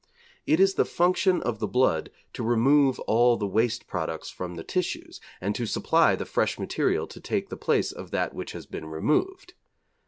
It is the function of the blood to remove all the waste products from the tissues and to supply the fresh material to take the place of that which has been removed.